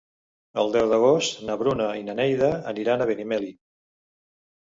El deu d'agost na Bruna i na Neida aniran a Benimeli.